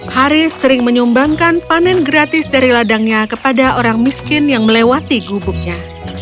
haris sering menyumbangkan panen gratis dari ladangnya kepada orang miskin yang melewati gubuknya